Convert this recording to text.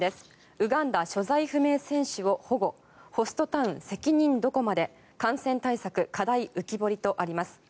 ウガンダ所在不明選手を保護ホストタウン、責任どこまで感染対策、課題浮き彫りとあります。